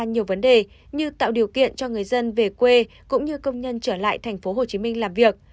nhiều vấn đề như tạo điều kiện cho người dân về quê cũng như công nhân trở lại tp hcm làm việc